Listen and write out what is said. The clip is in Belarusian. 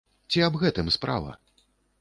Ці аб гэтым справа?